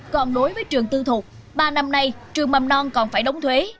còn đối với trường tư thuộc ba năm nay trường mầm non còn phải đóng thuế